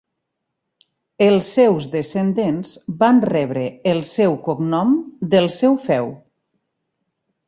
Els seus descendents van rebre el seu cognom del seu feu.